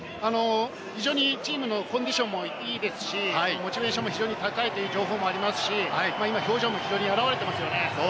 非常にチームのコンディションもいいですし、モチベーションも非常に高いという情報もありますし、表情も非常に表れていますよね。